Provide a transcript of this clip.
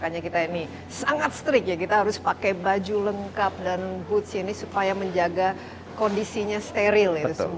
nah ini sangat strict ya kita harus pakai baju lengkap dan boots ini supaya menjaga kondisinya steril itu semua